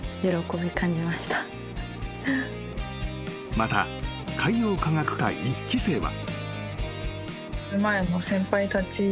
［また海洋科学科１期生は］